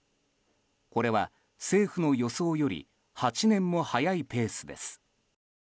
これは政府の予想より８年も早いペースです。